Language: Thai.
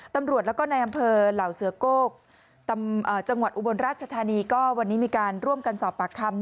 ตำรวจแล้วก็ในอำเภอเหล่าเสือโก้จังหวัดอุบลราชธานีก็วันนี้มีการร่วมกันสอบปากคำ